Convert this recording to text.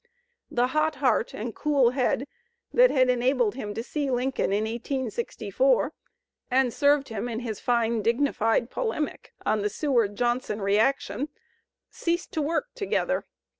The hot heart and cool head that enabled him to see Lincoln in 1864 and served him in his fine dignified polemic on the Seward Johnson reaction, ceased to work together.